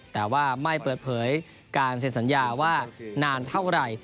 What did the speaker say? แต่ว่าไม่เปิดเผยการเซ็นสัญญาว่านานเท่าไหร่